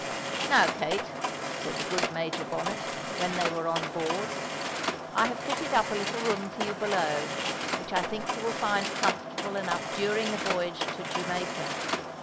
"Now, Kate," said the good Major Bonnet, when they were on board, "I have fitted up a little room for you below, which I think you will find comfortable enough during the voyage to Jamaica.